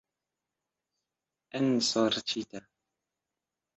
Ensorĉita!